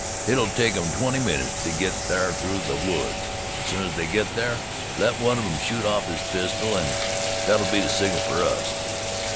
"Hit'll take 'em twenty minutes to git thar through the woods. Soon's they git thar, let one of 'em shoot his pistol off an' that'll be the signal fer us."